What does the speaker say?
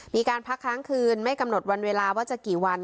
มีการพักค้างคืนไม่กำหนดวันเวลาว่าจะกี่วัน